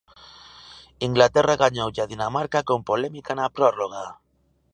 Inglaterra gañoulle a Dinamarca con polémica na prórroga.